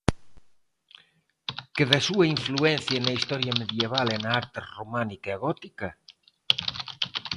Que da súa influencia na historia medieval e na arte románica e gótica?